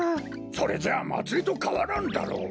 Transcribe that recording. それじゃあまつりとかわらんだろう。